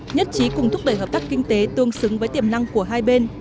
nhất trí cùng thúc đẩy hợp tác kinh tế tương xứng với tiềm năng của hai bên